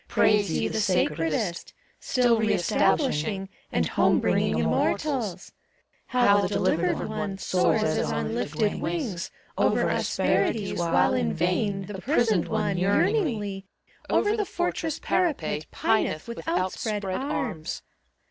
Praise ye the sacredest. Still re establishing And home bringing Immortals! How the delivered one Soars as on lifted wings Over asperities, while in vain The prisoned one, yearningly, Over the fortress parapet Pineth with outspread arms!